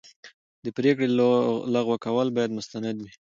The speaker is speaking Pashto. د پرېکړې لغوه کول باید مستند وي.